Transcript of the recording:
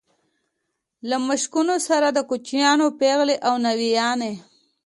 له مشکونو سره د کوچیانو پېغلې او ناويانې.